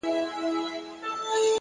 • نه محتاجه د بادار نه د انسان یو ,